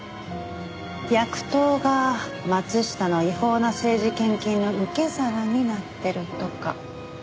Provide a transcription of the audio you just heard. ヤクトーが松下の違法な政治献金の受け皿になってるとか。